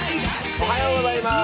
おはようございます。